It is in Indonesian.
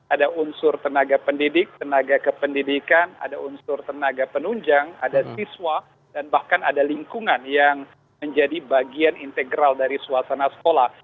ada unsur tenaga pendidik tenaga kependidikan ada unsur tenaga penunjang ada siswa dan bahkan ada lingkungan yang menjadi bagian integral dari suasana sekolah